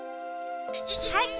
はい。